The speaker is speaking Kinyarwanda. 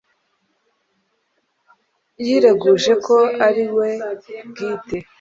yireguje ko ari we bwite